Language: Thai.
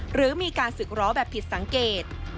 หรือมีการศึกร้อแบบผิดสังเกต